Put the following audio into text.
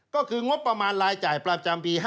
ก็คืองบประมาณรายจ่ายประจำปี๕๗